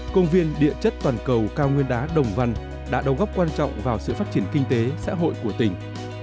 công viên địa chất toàn cầu cao nguyên đá đồng văn đã đồng góp quan trọng vào sự phát triển kinh tế xã hội của tỉnh